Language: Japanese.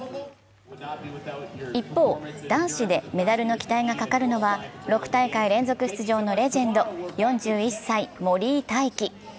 一方、男子でメダルの期待がかかるのは６大会連続出場のレジェンド、４１歳、森井大樹。